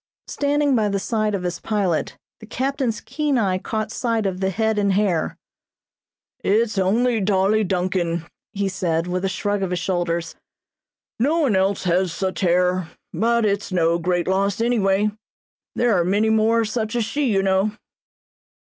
Standing by the side of his pilot, the captain's keen eye caught sight of the head and hair. "It's only Dolly Duncan," he said, with a shrug of his shoulders. "No one else has such hair; but it's no great loss anyway; there are many more of such as she, you know."